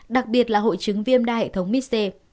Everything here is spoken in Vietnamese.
đặc biệt là hội chứng viêm đa hệ thống mis c